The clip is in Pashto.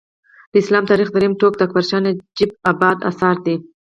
د اسلام تاریخ درېیم ټوک د اکبر شاه نجیب ابادي اثر دی